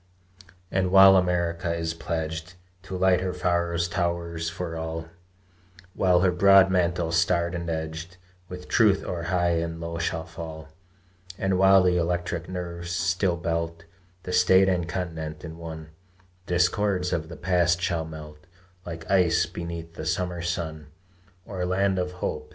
And while America is pledged To light her Pharos towers for all, While her broad mantle, starred and edged With truth, o'er high and low shall fall; And while the electric nerves still belt The State and Continent in one, The discords of the past shall melt Like ice beneath the summer sun. O land of hope!